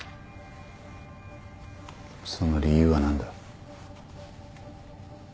その理由は何だ？